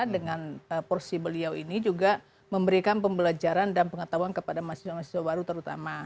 dengan porsi beliau ini juga memberikan pembelajaran dan pengetahuan kepada mahasiswa mahasiswa baru terutama